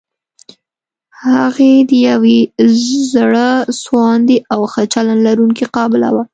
هغې د يوې زړه سواندې او ښه چلند لرونکې قابله وه.